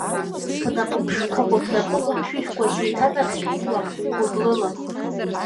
Бнапы ԥшқақәа, бнапы ҟәымшәышәқәа сеиҭанархьыслап гәыблыла…